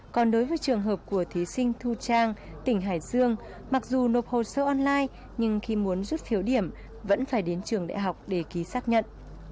còn đối với trường hợp của thí sinh thu trang tỉnh hải dương mặc dù nộp hồ sơ online nhưng khi muốn rút phiếu điểm vẫn phải đến trường đại học để ký xác nhận